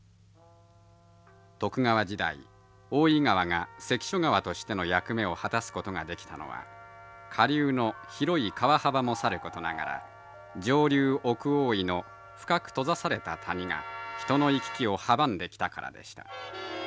徳川時代大井川が関所川としての役目を果たすことができたのは下流の広い川幅もさることながら上流奥大井の深く閉ざされた谷が人の行き来を阻んできたからでした。